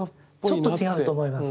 ちょっと違うと思います。